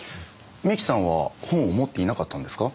三木さんは本を持っていなかったんですか？